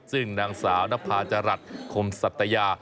ซึ่งนางสาวนภาจรัสคมสัตยา